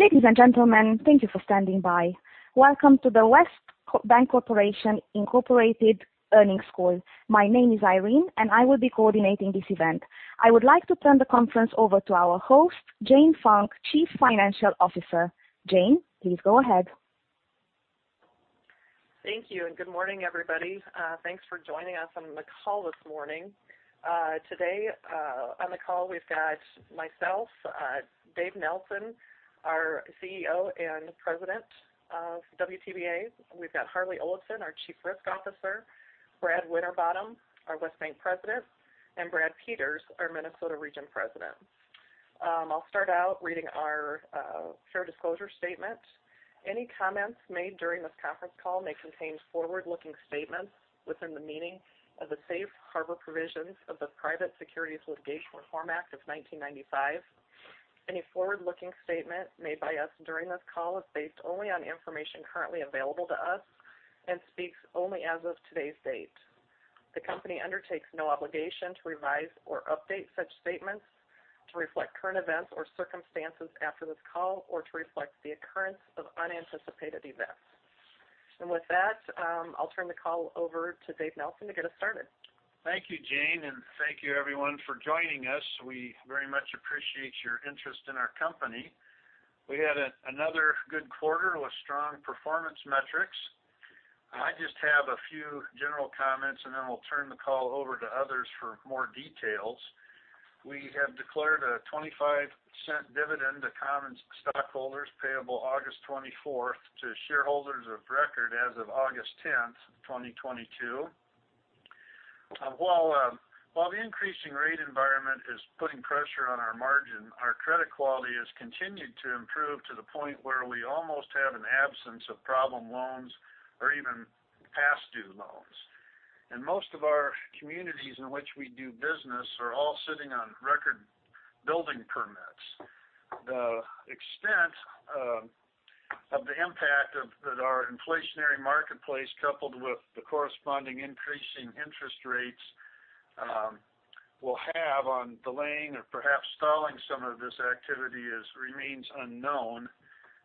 Ladies and gentlemen, thank you for standing by. Welcome to the West Bancorporation, Inc. Earnings Call. My name is Irene, and I will be coordinating this event. I would like to turn the conference over to our host, Jane Funk, Chief Financial Officer. Jane, please go ahead. Thank you, and good morning, everybody. Thanks for joining us on the call this morning. Today, on the call, we've got myself, Dave Nelson, our CEO and President of WTBA. We've got Harlee Olafson, our Chief Risk Officer, Brad Winterbottom, our West Bank President, and Brad Peters, our Minnesota Region President. I'll start out reading our fair disclosure statement. Any comments made during this conference call may contain forward-looking statements within the meaning of the safe harbor provisions of the Private Securities Litigation Reform Act of 1995. Any forward-looking statement made by us during this call is based only on information currently available to us and speaks only as of today's date. The company undertakes no obligation to revise or update such statements to reflect current events or circumstances after this call or to reflect the occurrence of unanticipated events. With that, I'll turn the call over to Dave Nelson to get us started. Thank you, Jane, and thank you everyone for joining us. We very much appreciate your interest in our company. We had another good quarter with strong performance metrics. I just have a few general comments, and then we'll turn the call over to others for more details. We have declared a $0.25 dividend to common stockholders payable August 24th to shareholders of record as of August 10th, 2022. While the increasing rate environment is putting pressure on our margin, our credit quality has continued to improve to the point where we almost have an absence of problem loans or even past due loans. Most of our communities in which we do business are all sitting on record building permits. The extent of the impact that our inflationary marketplace, coupled with the corresponding increase in interest rates, will have on delaying or perhaps stalling some of this activity remains unknown.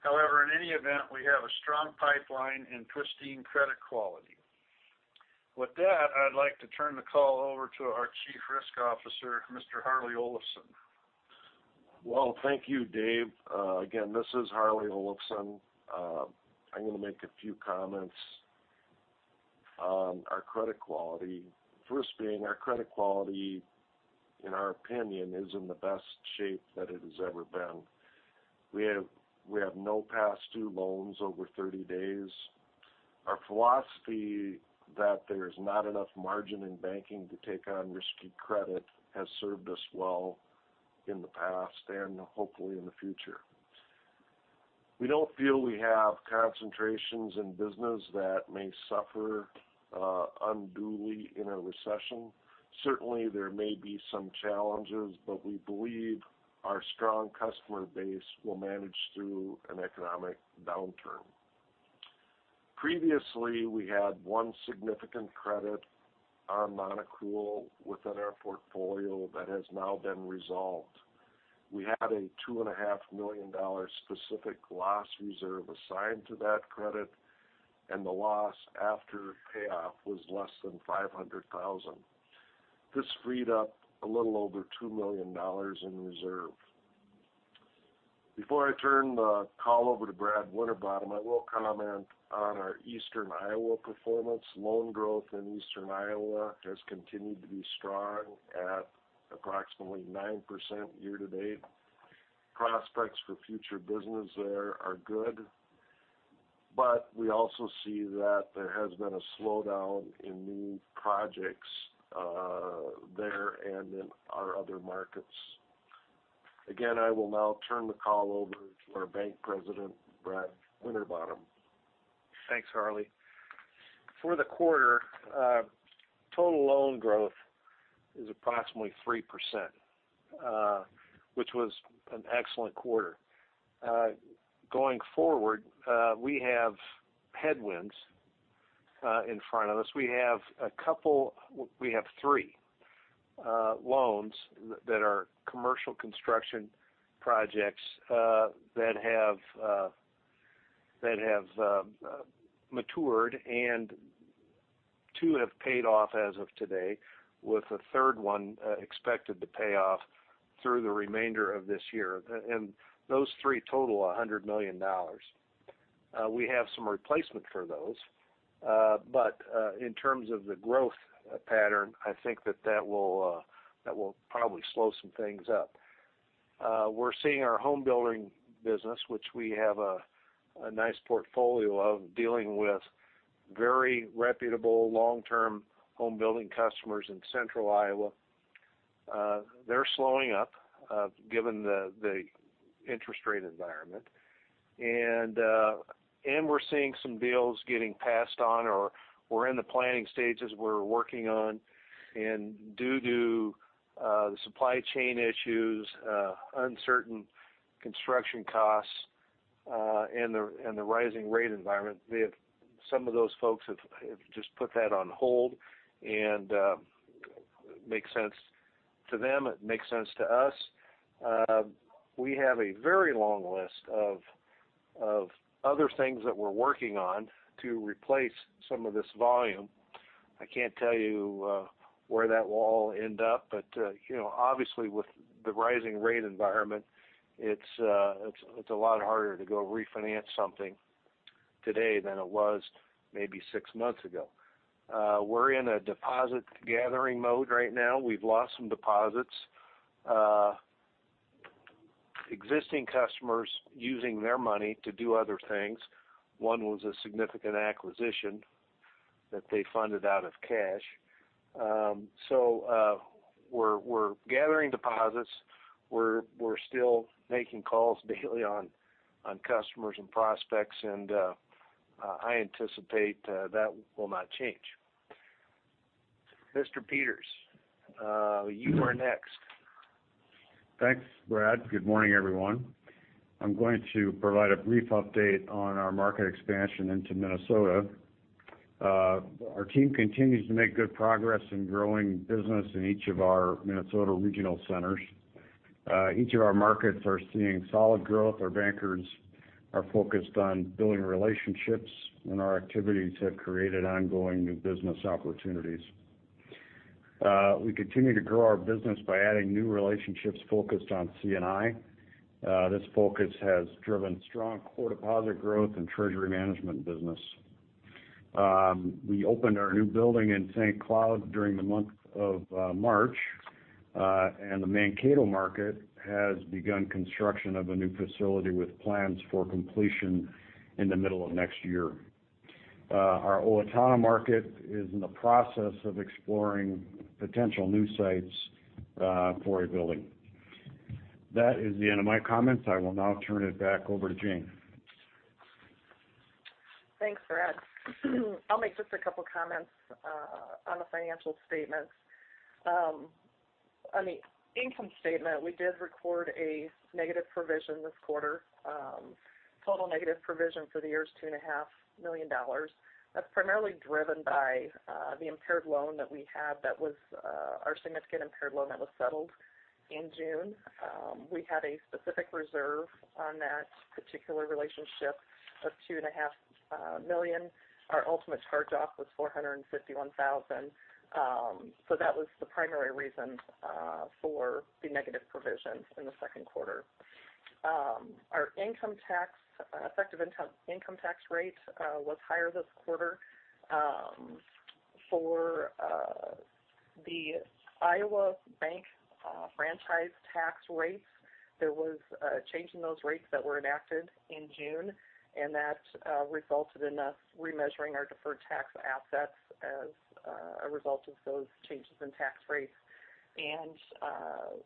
However, in any event, we have a strong pipeline and pristine credit quality. With that, I'd like to turn the call over to our Chief Risk Officer, Mr. Harlee Olafson. Well, thank you, Dave. Again, this is Harlee Olafson. I'm gonna make a few comments on our credit quality. First being our credit quality, in our opinion, is in the best shape that it has ever been. We have no past due loans over 30 days. Our philosophy that there's not enough margin in banking to take on risky credit has served us well in the past and hopefully in the future. We don't feel we have concentrations in business that may suffer unduly in a recession. Certainly, there may be some challenges, but we believe our strong customer base will manage through an economic downturn. Previously, we had one significant credit on non-accrual within our portfolio that has now been resolved. We had a $2.5 million specific loss reserve assigned to that credit, and the loss after payoff was less than $500,000. This freed up a little over $2 million in reserve. Before I turn the call over to Brad Winterbottom, I will comment on our Eastern Iowa performance. Loan growth in Eastern Iowa has continued to be strong at approximately 9% year to date. Prospects for future business there are good, but we also see that there has been a slowdown in new projects, there and in our other markets. Again, I will now turn the call over to our Bank President, Brad Winterbottom. Thanks, Harlee. For the quarter, total loan growth is approximately 3%, which was an excellent quarter. Going forward, we have headwinds in front of us. We have three loans that are commercial construction projects that have matured, and two have paid off as of today, with a third one expected to pay off through the remainder of this year. Those three total $100 million. We have some replacement for those, but in terms of the growth pattern, I think that will probably slow some things up. We're seeing our home building business, which we have a nice portfolio of dealing with very reputable long-term home building customers in Central Iowa. They're slowing up, given the interest rate environment. We're seeing some deals getting passed on or, in the planning stages we're working on. Due to the supply chain issues, uncertain construction costs, and the rising rate environment, some of those folks have just put that on hold. Makes sense to them. It makes sense to us. We have a very long list of other things that we're working on to replace some of this volume. I can't tell you where that will all end up, but you know, obviously with the rising rate environment, it's a lot harder to go refinance something today than it was maybe six months ago. We're in a deposit gathering mode right now. We've lost some deposits. Existing customers using their money to do other things. One was a significant acquisition that they funded out of cash. We're gathering deposits. We're still making calls daily on customers and prospects, and I anticipate that will not change. Mr. Peters, you are next. Thanks, Brad. Good morning, everyone. I'm going to provide a brief update on our market expansion into Minnesota. Our team continues to make good progress in growing business in each of our Minnesota regional centers. Each of our markets are seeing solid growth. Our bankers are focused on building relationships, and our activities have created ongoing new business opportunities. We continue to grow our business by adding new relationships focused on C&I. This focus has driven strong core deposit growth and treasury management business. We opened our new building in St. Cloud during the month of March. The Mankato market has begun construction of a new facility with plans for completion in the middle of next year. Our Owatonna market is in the process of exploring potential new sites for a building. That is the end of my comments. I will now turn it back over to Jane. Thanks, Brad. I'll make just a couple comments on the financial statements. On the income statement, we did record a negative provision this quarter. Total negative provision for the year is $2.5 million. That's primarily driven by the impaired loan that we had that was our significant impaired loan that was settled in June. We had a specific reserve on that particular relationship of $2.5 million. Our ultimate charge-off was $451,000. That was the primary reason for the negative provisions in the second quarter. Our effective income tax rate was higher this quarter for the Iowa bank franchise tax rates. There was a change in those rates that were enacted in June, and that resulted in us remeasuring our deferred tax assets as a result of those changes in tax rates and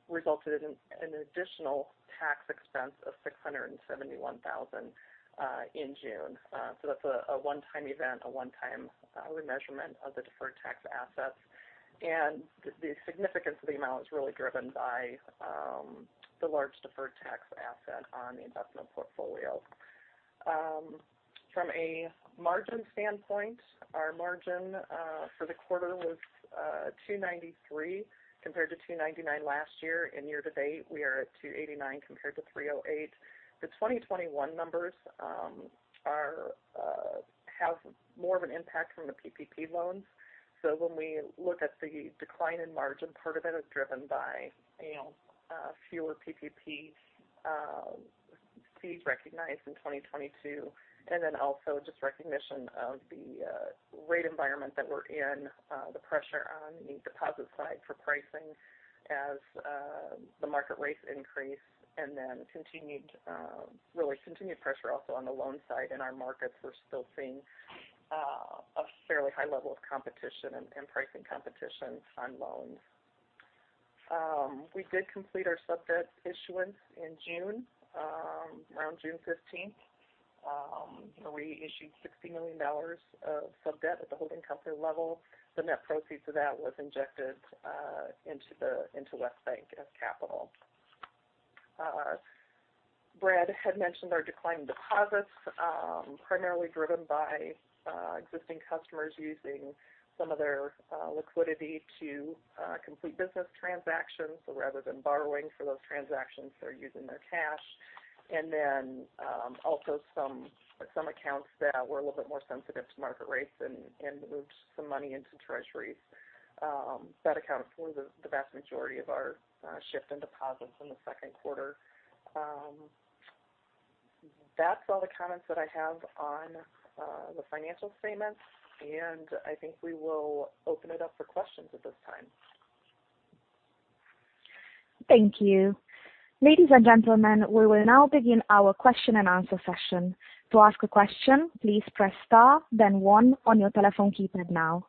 resulted in an additional tax expense of $671 thousand in June. That's a one-time event, a one-time remeasurement of the deferred tax assets. The significance of the amount is really driven by the large deferred tax asset on the investment portfolio. From a margin standpoint, our margin for the quarter was 2.93% compared to 2.99% last year. In year-to-date, we are at 2.89% compared to 3.08%. The 2021 numbers have more of an impact from the PPP loans. When we look at the decline in margin, part of it is driven by, you know, fewer PPP fees recognized in 2022, and then also just recognition of the rate environment that we're in, the pressure on the deposit side for pricing as the market rates increase and then continued really continued pressure also on the loan side. In our markets, we're still seeing a fairly high level of competition and pricing competition on loans. We did complete our subdebt issuance in June, around June 15. We issued $60 million of subdebt at the holding company level. The net proceeds of that was injected into West Bank as capital. Brad had mentioned our declining deposits, primarily driven by existing customers using some of their liquidity to complete business transactions. Rather than borrowing for those transactions, they're using their cash. Also, some accounts that were a little bit more sensitive to market rates and moved some money into treasuries. That accounts for the vast majority of our shift in deposits in the second quarter. That's all the comments that I have on the financial statements, and I think we will open it up for questions at this time. Thank you. Ladies and gentlemen, we will now begin our question-and-answer session. To ask a question, please press star then one on your telephone keypad now.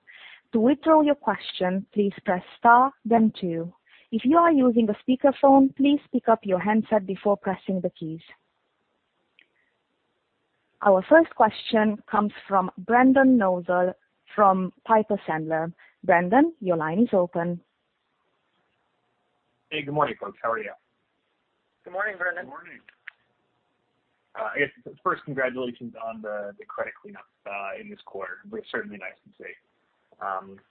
To withdraw your question, please press star then two. If you are using a speakerphone, please pick up your handset before pressing the keys. Our first question comes from Brendan Nosal from Piper Sandler. Brendan, your line is open. Hey, good morning, folks. How are you? Good morning, Brendan. Good morning. I guess first, congratulations on the credit cleanup in this quarter. It was certainly nice to see.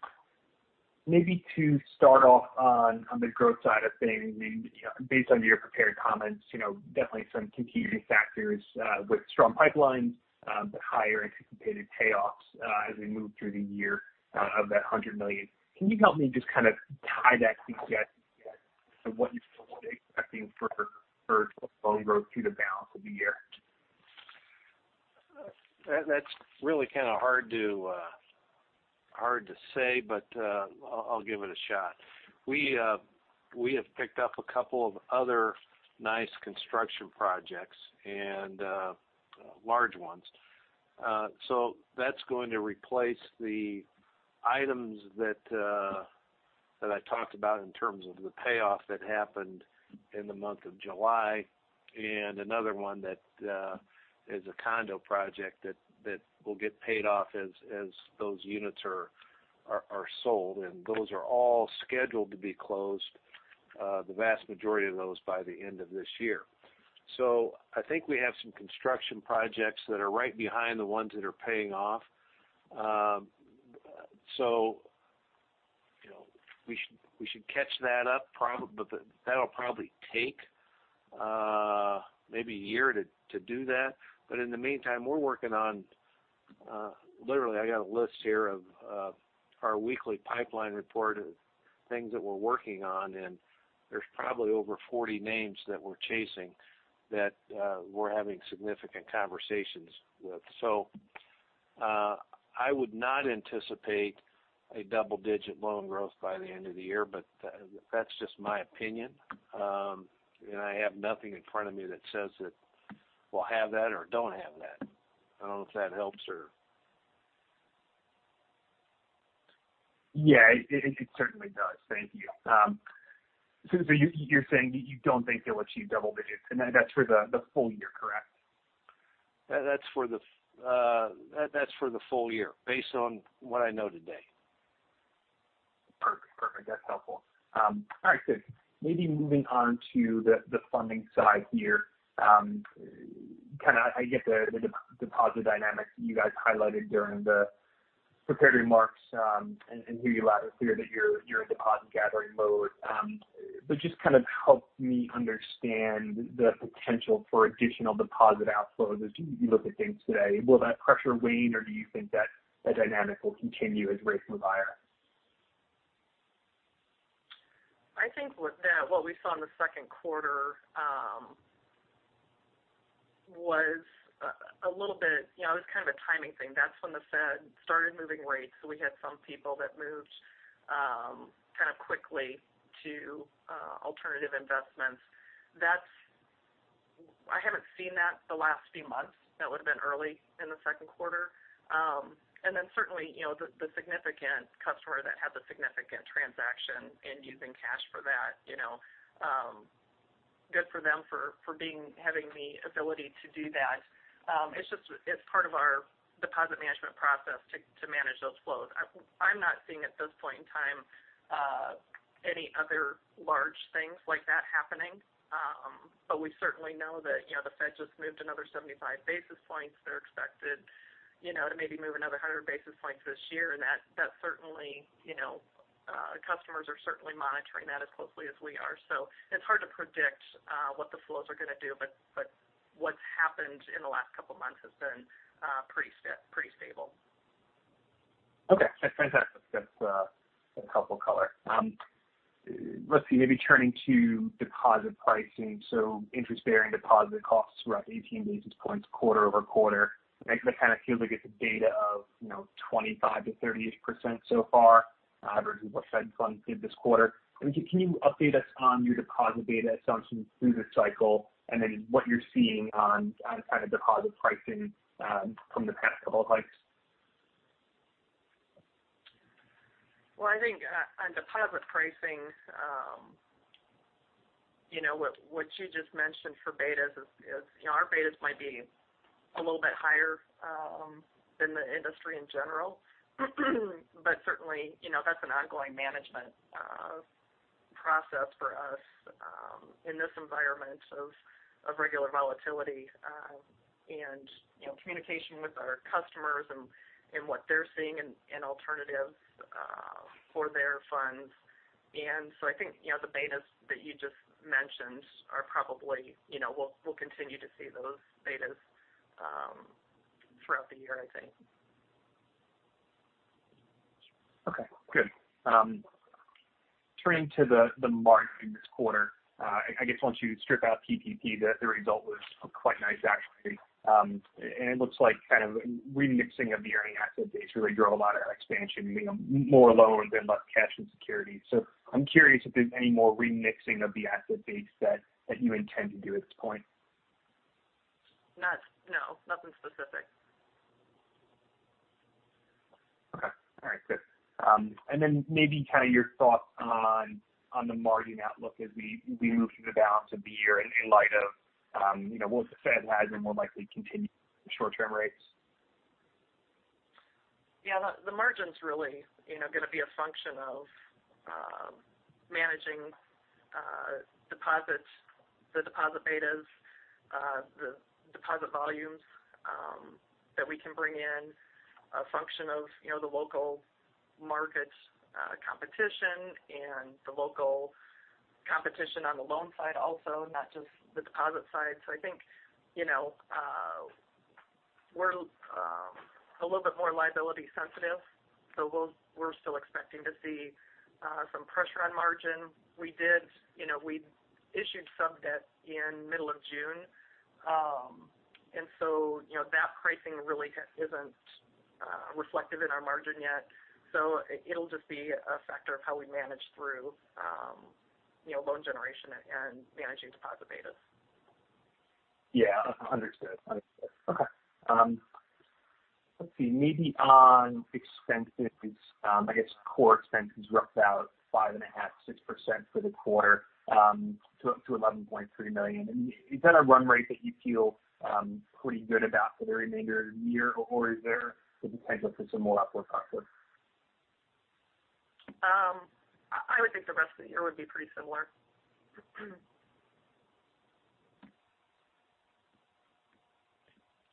Maybe to start off on the growth side of things, maybe, you know, based on your prepared comments, you know, definitely some continuing factors with strong pipelines, but higher anticipated payoffs as we move through the year of that $100 million. Can you help me just kind of tie that together to what you're still expecting for loan growth through the balance of the year? That's really kind of hard to say, but I'll give it a shot. We have picked up a couple of other nice construction projects and large ones. That's going to replace the items that I talked about in terms of the payoff that happened in the month of July, and another one that is a condo project that will get paid off as those units are sold. Those are all scheduled to be closed, the vast majority of those by the end of this year. I think we have some construction projects that are right behind the ones that are paying off. You know, we should catch that up. That'll probably take maybe a year to do that. In the meantime, we're working on, literally I got a list here of, our weekly pipeline report of things that we're working on, and there's probably over 40 names that we're chasing that, we're having significant conversations with. I would not anticipate a double-digit loan growth by the end of the year, but, that's just my opinion. I have nothing in front of me that says that we'll have that or don't have that. I don't know if that helps or Yeah. It certainly does. Thank you. So you're saying that you don't think you'll achieve double digits, and that's for the full year, correct? That's for the full year based on what I know today. Perfect. That's helpful. All right, good. Maybe moving on to the funding side here. Kind of I get the deposit dynamics that you guys highlighted during the prepared remarks, and hear you loud and clear that you're in deposit gathering mode. But just kind of help me understand the potential for additional deposit outflows as you look at things today. Will that pressure wane, or do you think that dynamic will continue as rates move higher? I think with that, what we saw in the second quarter was a little bit. You know, it was kind of a timing thing. That's when the Fed started moving rates, so we had some people that moved kind of quickly to alternative investments. That's. I haven't seen that the last few months. That would've been early in the second quarter. Certainly, you know, the significant customer that had the significant transaction and using cash for that, you know, good for them for having the ability to do that. It's just, it's part of our deposit management process to manage those flows. I'm not seeing at this point in time any other large things like that happening. We certainly know that, you know, the Fed just moved another 75 basis points. They're expected, you know, to maybe move another 100 basis points this year, and that certainly, you know, customers are certainly monitoring that as closely as we are. It's hard to predict what the flows are gonna do, but what's happened in the last couple of months has been pretty stable. Okay. That's fantastic. That's some helpful color. Let's see. Maybe turning to deposit pricing. Interest-bearing deposit costs were up 18 basis points quarter-over-quarter. I guess that kind of feels like it's a beta of, you know, 25%-30-ish% so far, averages what Fed Funds did this quarter. I mean, can you update us on your deposit beta assumptions through the cycle and then what you're seeing on kind of deposit pricing from the past couple of hikes? Well, I think on deposit pricing, you know, what you just mentioned for betas is, you know, our betas might be a little bit higher than the industry in general. Certainly, you know, that's an ongoing management process for us in this environment of regular volatility, and you know, communication with our customers and what they're seeing in alternatives for their funds. I think, you know, the betas that you just mentioned are probably, you know, we'll continue to see those betas throughout the year, I think. Okay. Good. Turning to the margin this quarter. I guess once you strip out PPP, the result was quite nice actually. It looks like kind of a remixing of the earning asset base really drove a lot of expansion, you know, more loans and less cash and securities. I'm curious if there's any more remixing of the asset base that you intend to do at this point. No. Nothing specific. Okay. All right. Good. Maybe kind of your thoughts on the margin outlook as we move through the balance of the year in light of, you know, what the Fed has and will likely continue with short-term rates. Yeah, the margin's really, you know, gonna be a function of managing deposits, the deposit betas, the deposit volumes that we can bring in a function of, you know, the local markets, competition and the local competition on the loan side also, not just the deposit side. I think, you know, we're a little bit more liability sensitive, so we're still expecting to see some pressure on margin. We did, you know, we issued sub-debt in middle of June. You know, that pricing really isn't reflective in our margin yet. It'll just be a factor of how we manage through, you know, loan generation and managing deposit betas. Yeah. Understood. Okay. Let's see. Maybe on expenses, I guess core expenses were up about 5.5%-6% for the quarter, to $11.3 million. I mean, is that a run rate that you feel pretty good about for the remainder of the year, or is there the potential for some more upward pressure? I would think the rest of the year would be pretty similar.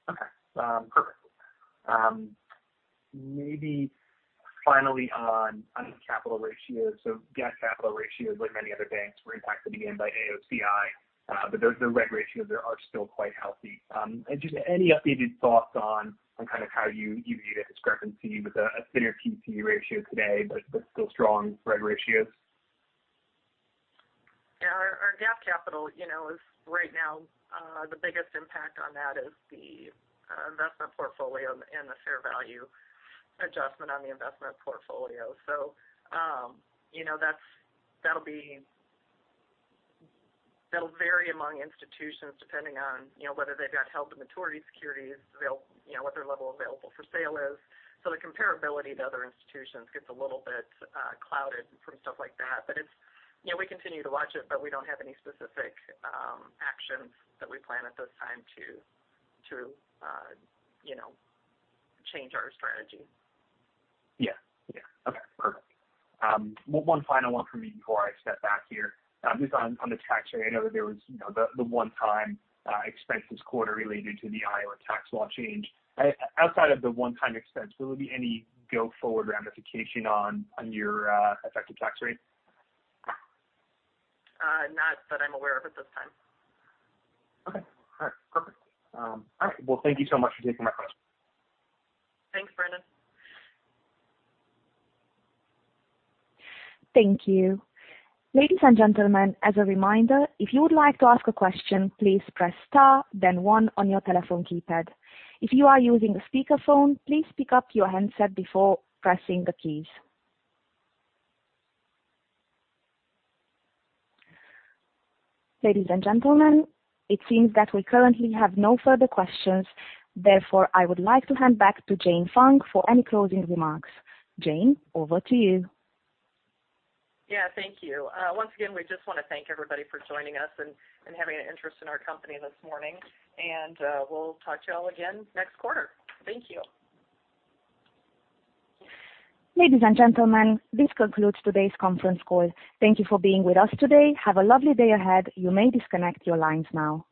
Okay. Perfect. Maybe finally on capital ratios. GAAP capital ratios, like many other banks, were impacted again by AOCI. But those, the reg ratios there are still quite healthy. Just any updated thoughts on kind of how you view the discrepancy with a thinner TCE ratio today, but still strong reg ratios? Yeah. Our GAAP capital, you know, is right now. The biggest impact on that is the investment portfolio and the fair value adjustment on the investment portfolio. You know, that'll vary among institutions depending on, you know, whether they've got held-to-maturity securities, you know, what their level available-for-sale is. The comparability to other institutions gets a little bit clouded from stuff like that. You know, we continue to watch it, but we don't have any specific actions that we plan at this time to, you know, change our strategy. Yeah. Yeah. Okay. Perfect. One final one from me before I step back here. Just on the tax rate, I know that there was, you know, the one-time expense this quarter related to the Iowa tax law change. Outside of the one-time expense, will there be any go-forward ramification on your effective tax rate? Not that I'm aware of at this time. Okay. All right. Perfect. All right. Well, thank you so much for taking my questions. Thanks, Brendan Nosal. Thank you. Ladies and gentlemen, as a reminder, if you would like to ask a question, please press star then one on your telephone keypad. If you are using a speakerphone, please pick up your handset before pressing the keys. Ladies and gentlemen, it seems that we currently have no further questions. Therefore, I would like to hand back to Jane Funk for any closing remarks. Jane, over to you. Yeah, thank you. Once again, we just wanna thank everybody for joining us and having an interest in our company this morning. We'll talk to y'all again next quarter. Thank you. Ladies and gentlemen, this concludes today's conference call. Thank you for being with us today. Have a lovely day ahead. You may disconnect your lines now.